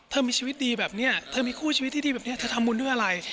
มีชีวิตดีแบบนี้เธอมีคู่ชีวิตที่ดีแบบนี้เธอทำบุญด้วยอะไร